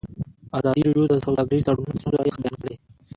ازادي راډیو د سوداګریز تړونونه د ستونزو رېښه بیان کړې.